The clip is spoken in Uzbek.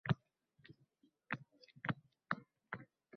Qo`shni ayollar qo`llarimdan tutdi